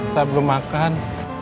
saya belum makan